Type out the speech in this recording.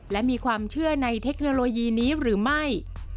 และมีความเชื่อในเทคโนโลยีนี้หรือไม่